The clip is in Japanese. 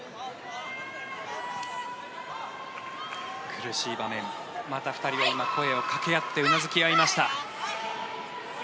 苦しい場面、また２人は今、声をかけ合ってうなずき合いました。